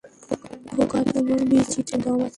খোকা, তোমার বিচিতে দম আছে!